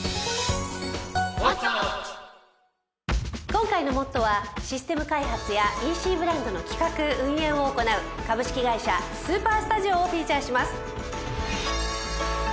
今回の『ＭＯＴＴＯ！！』はシステム開発やＥＣブランドの企画運営を行う株式会社ＳＵＰＥＲＳＴＵＤＩＯをフィーチャーします。